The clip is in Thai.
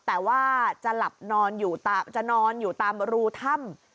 แต่ว่าจะนอนอยู่ตามรูถ้ำ